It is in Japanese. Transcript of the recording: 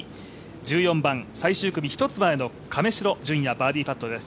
１４番、最終組１つ前の亀代順哉、バーディーパットです。